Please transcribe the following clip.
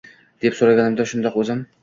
deb so`raganimda Shundoq o`zim